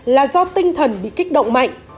là do tinh thần bị kích động mạnh